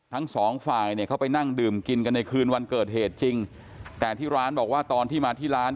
ทั้งสองฝ่ายเนี่ยเขาไปนั่งดื่มกินกันในคืนวันเกิดเหตุจริงแต่ที่ร้านบอกว่าตอนที่มาที่ร้าน